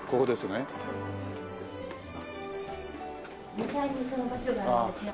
２階にその場所があるんですが。